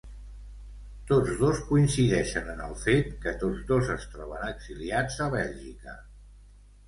Tots dos coincideixen en el fet que tots dos es troben exiliats a Bèlgica.